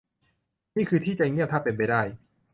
นี่คือที่จะเงียบถ้าเป็นไปได้